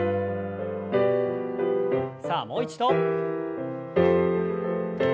さあもう一度。